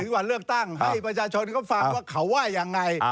ถึงวันเลือกตั้งให้บัญชาชนก็ฟังว่าเขาว่ายังไง